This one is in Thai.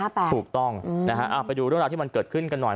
ไปดูเรื่องราวที่เป็นอย่างกันหน่อย